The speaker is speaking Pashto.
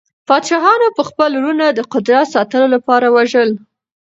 پادشاهانو به خپل وروڼه د قدرت ساتلو لپاره وژل.